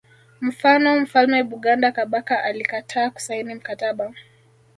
Mfano mfalme Buganda Kabaka alikataa kusaini mkataba